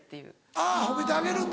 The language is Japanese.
あぁ褒めてあげるんだ。